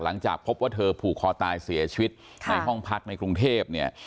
หลังจากพบว่าเธอผูกคอตายเสียชีวิตในห้องพักในกรุงเทพเนี่ย